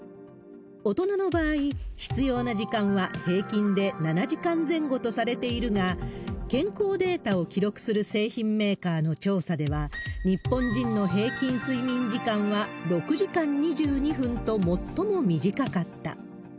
大人の場合、必要な時間は平均で７時間前後とされているが、健康データを記録する製品メーカーの調査では、日本人の平均睡眠時間は６時間２２分と最も短かった。